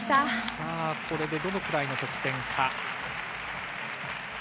さぁ、これでどのくらいの得点か。